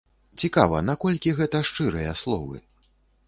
Цікава, наколькі гэта шчырыя словы?